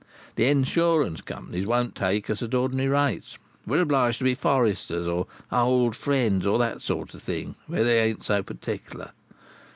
The insurance companies won't take us at ordinary rates. We're obliged to be Foresters, or Old Friends, or that sort of thing, where they ain't so particular.